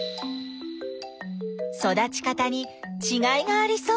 育ち方にちがいがありそう。